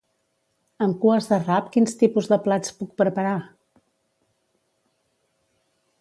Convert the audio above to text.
Amb cues de rap quins tipus de plats puc preparar?